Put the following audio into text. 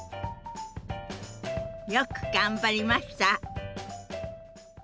よく頑張りました！